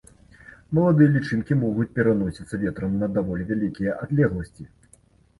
Маладыя лічынкі могуць пераносіцца ветрам на даволі вялікія адлегласці.